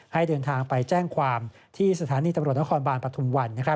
ให้เดินทางไปแจ้งความที่สถานีตำรวจนครบาลปฐุมวัน